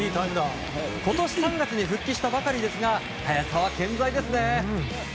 今年３月に復帰したばかりですが速さは健在ですね。